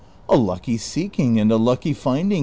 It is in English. " A lucky seeking and a kicky finding